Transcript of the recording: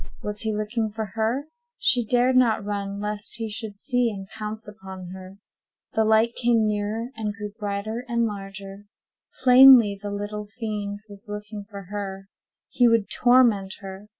Was he looking for her? She dared not run, lest he should see and pounce upon her. The light came nearer, and grew brighter and larger. Plainly, the little fiend was looking for her—he would torment her.